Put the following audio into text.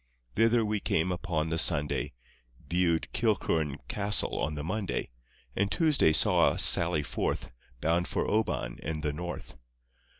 Thither we came upon the Sunday, Viewed Kilchurn Castle on the Monday, And Tuesday saw us sally forth Bound for Oban and the North.